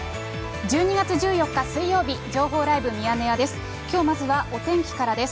１２月１４日水曜日、情報ライブミヤネ屋です。